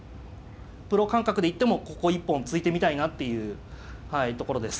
プロ感覚で言ってもここ一本突いてみたいなっていうところです。